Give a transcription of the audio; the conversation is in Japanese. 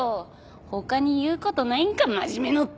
他に言うことないんか真面目ノッポ！